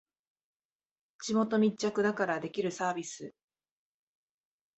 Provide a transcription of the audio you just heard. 地元密着だからできるサービス